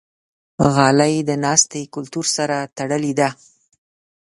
غالۍ د ناستې کلتور سره تړلې ده.